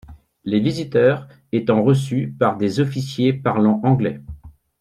Les visiteurs étant reçus par des officiers parlant anglais.